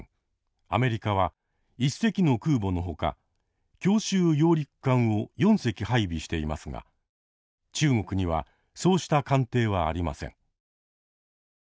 アメリカは１隻の空母のほか強襲揚陸艦を４隻配備していますが中国にはそうした艦艇はありません。